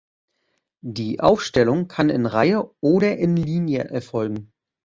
Die Aufstellung kann in Reihe oder in Linie erfolgen.